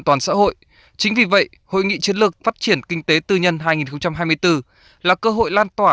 toàn xã hội chính vì vậy hội nghị chiến lược phát triển kinh tế tư nhân hai nghìn hai mươi bốn là cơ hội lan tỏa